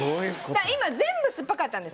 今全部すっぱかったんです。